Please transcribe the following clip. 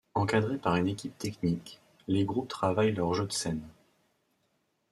Encadrés par une équipe technique, les groupes travaillent leur jeu de scène.